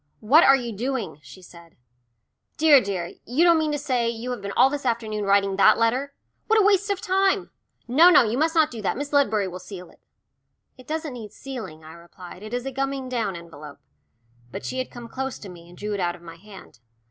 "What are you doing?" she said. "Dear, dear, you don't mean to say you have been all this afternoon writing that letter? What a waste of time! No, no, you must not do that. Miss Ledbury will seal it." "It doesn't need sealing," I replied. "It is a gumming down envelope." But she had come close to me, and drew it out of my hand.